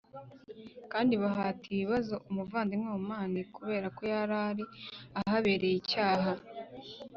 kandi bahata ibibazo umuvandimwe Oman kuberako yarari ahabereye icyaha